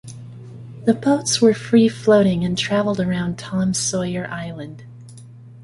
The boats were free-floating and traveled around Tom Sawyer Island.